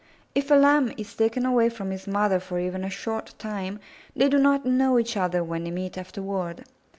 If a Lamb is taken away from his mother for even a short time, they do not know each other when they meet afterward.